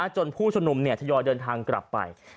จนผู้ชนุมเนี่ยทยอยเดินทางกลับไป